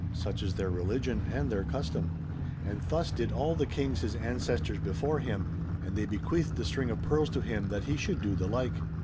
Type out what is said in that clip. Such is their religion, and their custom. And thus did all the Kings his ancestors before him, and they bequeathed the string of pearls to him that he should do the like.